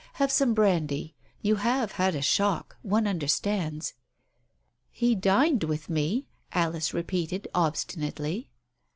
Have some brandy. You have had a shock. One understands "" He dined with me," Alice repeated obstinately.